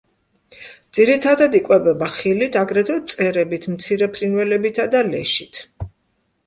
ძირითადად იკვებება ხილით, აგრეთვე მწერებით, მცირე ფრინველებითა და ლეშით.